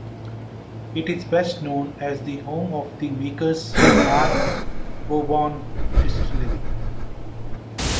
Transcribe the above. It is best known as the home of the Maker's Mark bourbon distillery.